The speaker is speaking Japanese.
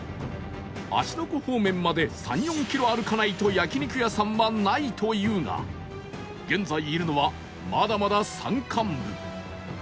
芦ノ湖方面まで３４キロ歩かないと焼肉屋さんはないというが現在いるのはまだまだ山間部